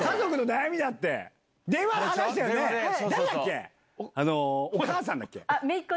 誰だっけお母さんだっけ？